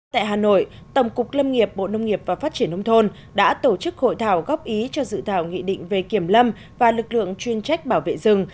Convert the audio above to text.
tại hà nội tổng cục lâm nghiệp bộ nông nghiệp và phát triển nông thôn đã tổ chức hội thảo góp ý cho dự thảo nghị định về kiểm lâm và lực lượng chuyên trách bảo vệ rừng